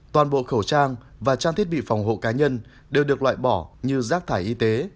toàn bộ khẩu trang và trang thiết bị phòng hộ cá nhân đều được loại bỏ như rác thải y tế